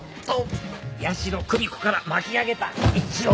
矢代久美子から巻き上げた１億。